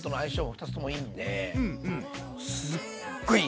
２つともいいのですっごいいいです。